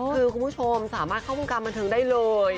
คือคุณผู้ชมสามารถเข้าวงการบันเทิงได้เลย